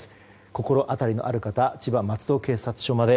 心当たりのある方は千葉・松戸警察署まで。